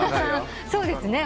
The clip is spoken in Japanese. そうですね。